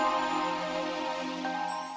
dalam hubungan wartawan